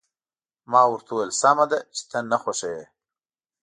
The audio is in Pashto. ما ورته وویل: سمه ده، چې ته نه خوښوې.